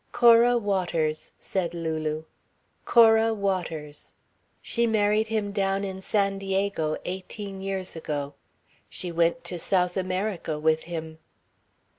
"Cora Waters," said Lulu. "Cora Waters. She married him down in San Diego, eighteen years ago. She went to South America with him."